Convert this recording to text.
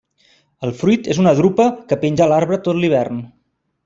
El fruit és una drupa que penja a l'arbre tot l'hivern.